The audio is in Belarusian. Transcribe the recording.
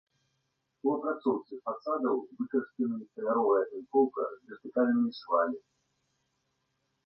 У апрацоўцы фасадаў выкарыстаны каляровая тынкоўка з вертыкальнымі швамі.